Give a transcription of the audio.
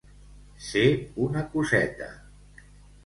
Ser una coseta.